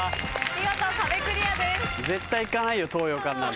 見事壁クリアです。